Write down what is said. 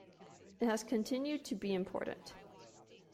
It has continued to be important.